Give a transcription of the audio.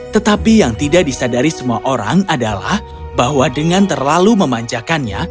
tetapi yang tidak disadari semua orang adalah bahwa dengan terlalu memanjakannya